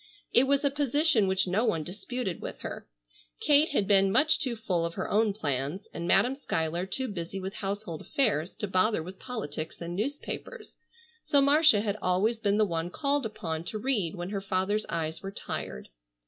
It was a position which no one disputed with her. Kate had been much too full of her own plans and Madam Schuyler too busy with household affairs to bother with politics and newspapers, so Marcia had always been the one called upon to read when her father's eyes were tired.